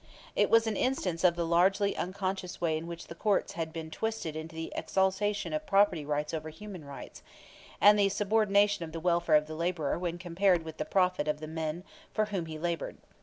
It was an instance of the largely unconscious way in which the courts had been twisted into the exaltation of property rights over human rights, and the subordination of the welfare of the laborer when compared with the profit of the man for whom he labored.